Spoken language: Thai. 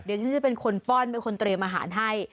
เดี๋ยวชั้นจะเป็นคนตรงเทรมหาญให้